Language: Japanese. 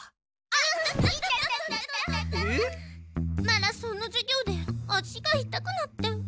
マラソンの授業で足がいたくなって。